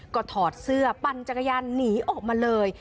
ก็ถอดเสื้อปั่นจักรยานหนีออกมาเลย